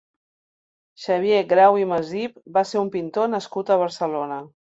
Xavier Grau i Masip va ser un pintor nascut a Barcelona.